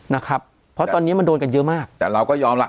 นะครับเพราะตอนนี้มันโดนกันเยอะมากแต่เราก็ยอมล่ะ